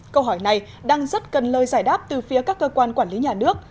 câu hỏi này đang rất cần lời giải đáp từ phía các cơ quan quản lý nhà nước